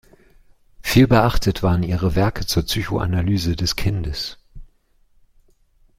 Viel beachtet waren ihre Werke zur "Psychoanalyse des Kindes".